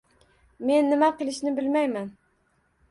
- Men nima qilishni bilmayman